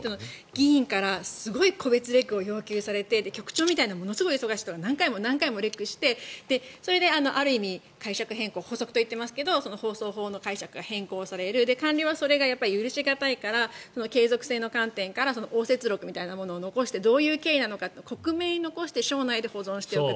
議員からすごい特別レクを要求されて局長みたいなものすごく忙しい人が何回もレクしてそれである意味、解釈変更補足と言ってますが放送法の解釈が変更される官僚はそれが許し難いから継続性の観点から応接録を残してどういう経緯なのかを克明に残して省内で保存しておく。